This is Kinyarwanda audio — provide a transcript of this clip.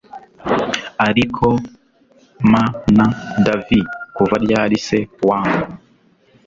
ariko mn davi kuva ryari se wangu